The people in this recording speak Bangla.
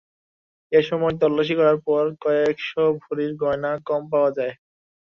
এ সময় তল্লাশি করার পর কয়েক শ ভরির গয়না কম পাওয়া যায়।